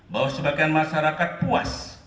bahwa sebagian masyarakat puas